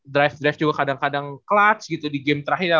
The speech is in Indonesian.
drive drive juga kadang kadang clubs gitu di game terakhir